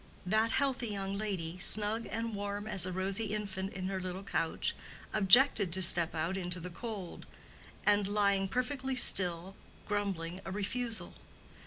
That healthy young lady, snug and warm as a rosy infant in her little couch, objected to step out into the cold, and lying perfectly still, grumbling a refusal.